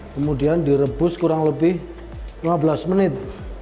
kemudian direbus kurang lebih lima belas menit